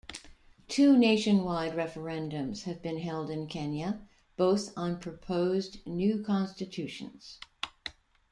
Two nationwide referendums have been held in Kenya, both on proposed new constitutions.